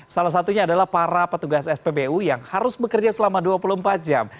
salah satunya adalah para petugas spbu yang harus bekerja selama dua puluh empat jam